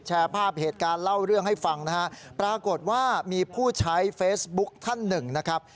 แชร์ภาพเหตุการณ์เล่าเรื่องให้ฟังนะฮะปรากฏว่ามีผู้ใช้เฟซบุ๊คท่านหนึ่งนะครับ